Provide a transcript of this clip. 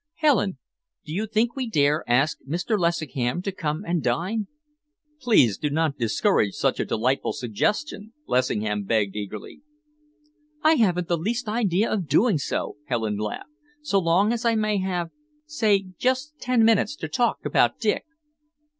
"Helen, do you think we dare ask Mr. Lessingham to come and dine?" "Please do not discourage such a delightful suggestion," Lessingham begged eagerly. "I haven't the least idea of doing so," Helen laughed, "so long as I may have say just ten minutes to talk about Dick."